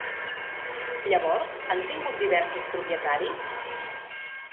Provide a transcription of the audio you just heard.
Llavors han tingut diversos propietaris?